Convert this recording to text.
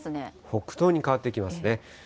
北東に変わってきますね。